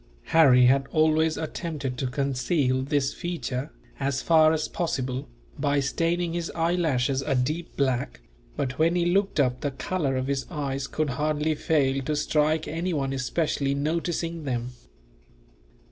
Harry had always attempted to conceal this feature, as far as possible, by staining his eyelashes a deep black; but when he looked up, the colour of his eyes could hardly fail to strike anyone specially noticing them.